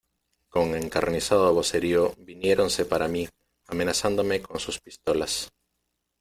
con encarnizado vocerío viniéronse para mí, amenazándome con sus pistolas.